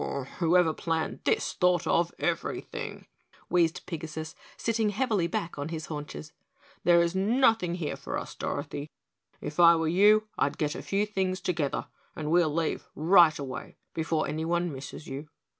"Whoever planned this thought of everything," wheezed Pigasus, sitting heavily back on his haunches. "There is nothing here for us, Dorothy. If I were you, I'd get a few things together and we'll leave right away before anyone misses you."